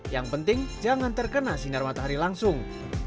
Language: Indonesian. yang penting jangan terkena sinar matahari langsung